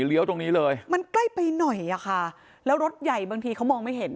เลี้ยวตรงนี้เลยมันใกล้ไปหน่อยอ่ะค่ะแล้วรถใหญ่บางทีเขามองไม่เห็น